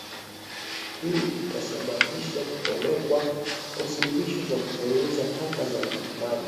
Hii itasababisha kupelekwa kwa suluhisho za kupunguza taka za majini